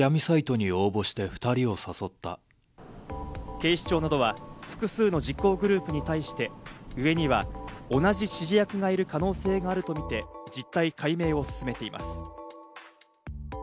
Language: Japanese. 警視庁などは複数の実行グループに対して、上には同じ指示役がいる可能性があるとみて、実態解明を進めています。